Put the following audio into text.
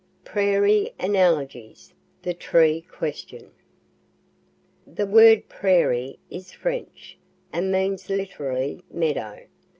PRAIRIE ANALOGIES THE TREE QUESTION The word Prairie is French, and means literally meadow.